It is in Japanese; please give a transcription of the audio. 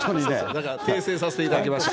だから訂正させていただきました。